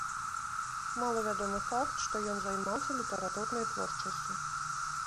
Малавядомы факт, што ён займаўся літаратурнай творчасцю.